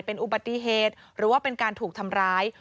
เป็นอุบัติเหตุหรือว่าเป็นการถูกทำร้าย